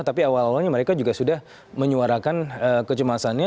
tapi awal awalnya mereka juga sudah menyuarakan kecemasannya